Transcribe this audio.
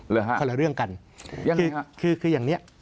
เหรอครับยังไงครับคืออย่างนี้